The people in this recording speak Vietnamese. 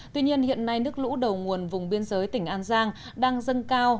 tuy nhiên hiện nay nước lũ đầu nguồn vùng biên giới tỉnh an giang đang dâng cao